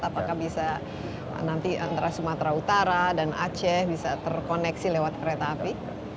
apakah bisa nanti antara sumatera utara dan aceh bisa terkoneksi lewat kereta api